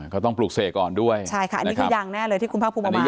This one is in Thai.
เขาต้องปลูกเสกก่อนด้วยใช่ค่ะอันนี้คือยางแน่เลยที่คุณภาคภูมิมาบอก